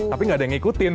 tapi gak ada yang ngikutin